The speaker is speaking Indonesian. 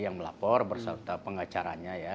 yang melapor berserta pengacaranya ya